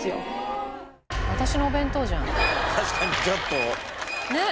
確かにちょっと。ねえ？